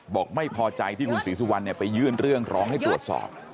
บอกไม่พอใจที่คุณศรีสุวรรณไปยื่นเรื่องร้องให้ตรวจสอบ